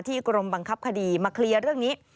กรมบังคับคดีมาเคลียร์เรื่องนี้